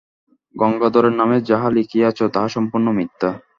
গঙ্গাধরের নামে যাহা লিখিয়াছ, তাহা সম্পূর্ণ মিথ্যা।